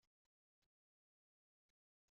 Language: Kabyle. Bezzaf i tettqewwidem fell-aɣ.